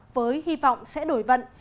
với hy vọng sẽ đổi vận